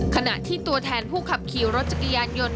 ขณะที่ตัวแทนผู้ขับขี่รถจักรยานยนต์